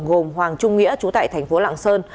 gồm hoàng trung nghĩa trú tại thành phố lạng sơn